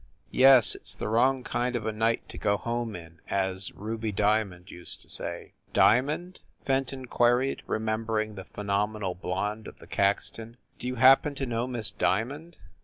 "Yes ; it s the wrong kind of a night to go home in/ as Ruby Diamond used to say." " Diamond ?" Fenton queried, remembering the phenomenal blonde of the Caxton, "do you happen to know Miss Diamond?